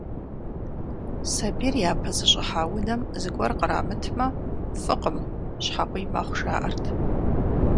Сабийр япэ зыщӀыхьа унэм зыгуэр кърамытмэ, фӀыкъым, щхьэкъуий мэхъу, жаӀэрт.